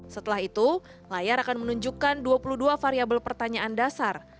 setelah itu layar akan menunjukkan dua puluh dua variabel pertanyaan dasar